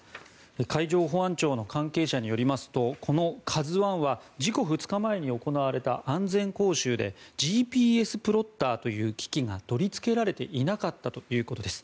海上保安庁の関係者によりますとこの「ＫＡＺＵ１」は事故２日前に行われた安全講習でＧＰＳプロッターという機器が取りつけられていなかったということです。